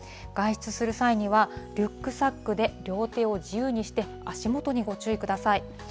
外出する際には、リュックサックで両手を自由にして、足元にご注意ください。